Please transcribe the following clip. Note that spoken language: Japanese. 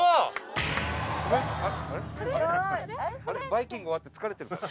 『バイキング』終わって疲れてる？